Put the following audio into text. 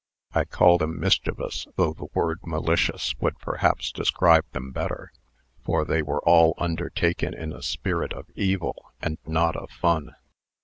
I call them mischievous, though the word 'malicious' would perhaps describe them better; for they were all undertaken in a spirit of evil, and not of fun."